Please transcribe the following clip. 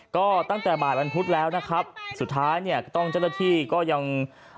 ก็ตั้งแต่บ่ายวันพุธแล้วนะครับสุดท้ายเนี่ยก็ต้องเจ้าหน้าที่ก็ยัง